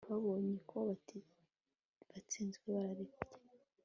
Babonye ko batsinzwe barareka